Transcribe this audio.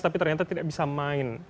tapi ternyata tidak bisa main